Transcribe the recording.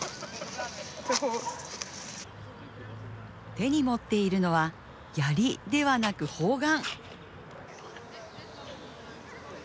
手に持っているのはやりではなく砲丸。